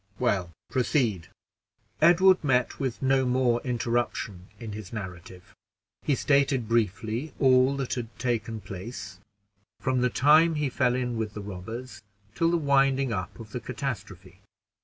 "Well, proceed." Edward met with no more interruption in his narrative. He stated briefly all that had taken place, from the time he fell in with the robbers till the winding up of the catastrophe.